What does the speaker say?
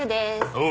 おう。